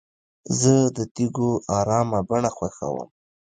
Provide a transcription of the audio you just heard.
زه د تیږو ارامه بڼه خوښوم.